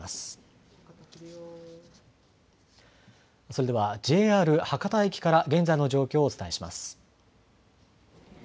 それではＪＲ博多駅から現在の状況をお伝えします。